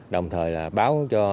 đồng thời là báo cho